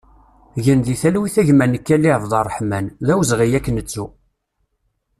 Gen di talwit a gma Nekali Abderraḥman, d awezɣi ad k-nettu!